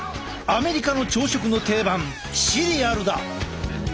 アメリカの朝食の定番シリアルだ！